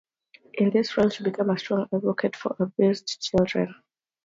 In this role, she became a strong advocate for abused children.